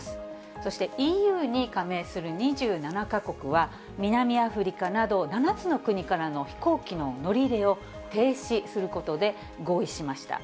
そしてＥＵに加盟する２７か国は、南アフリカなど７つの国からの飛行機の乗り入れを停止することで合意しました。